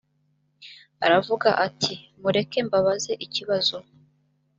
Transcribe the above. aravuga ati mureke mbabaze ikibazo